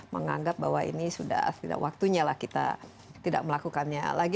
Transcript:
menganggap bahwa ini sudah tidak waktunya lah kita tidak melakukannya lagi